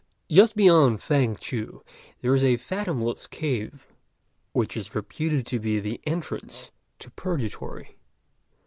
Just beyond Fêng tu there is a fathomless cave which is reputed to be the entrance to Purgatory.